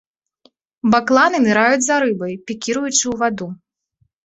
Бакланы ныраюць за рыбай, пікіруючы ў ваду.